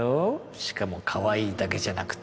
しかもかわいいだけじゃなくて